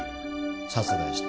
殺害した